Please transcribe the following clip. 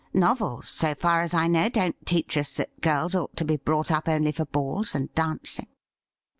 Novels, so far as I know, don't teach us that girls ought to be brought up only for balls and dancing.'